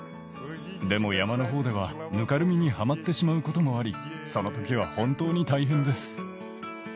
でも山のほうではぬかるみにはまってしまうこともありそのときは本当に大変です。